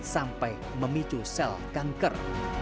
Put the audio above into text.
sampai memicu sel kanker